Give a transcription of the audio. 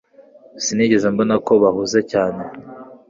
sinigeze mbona ko bahuze cyane